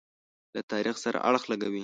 له تاریخ سره اړخ لګوي.